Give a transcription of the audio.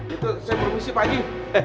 itu saya permisi pak ji